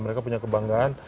mereka punya kebanggaan